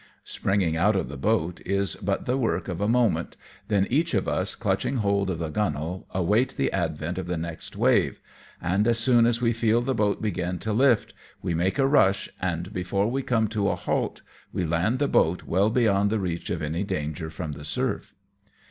Springing out of the boat is but the work of a moment, then each of us clutching hold of the gunwale, await the advent of the next wave, and as soon as we feel the boat begin to lift, we make a rush, and before we come to a halt we land the boat well beyond the reach of any danger from the surf.